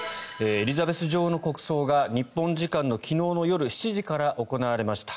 エリザベス女王の国葬が日本時間の昨日夜７時から行われました。